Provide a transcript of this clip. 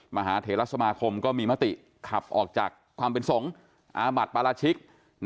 มหาเทรสมาคมก็มีมติขับออกจากความเป็นสงฆ์อาบัติปราชิก